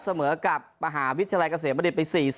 เสมอกับมหาวิทยาลัยเกษตรประเด็นไป๔๔